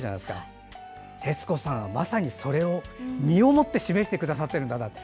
まさに徹子さんはそれを身をもって示してくださっているんだなと。